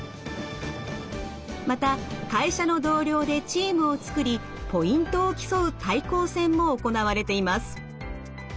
また会社の同僚でチームを作りポイントを競う対抗戦も行われています。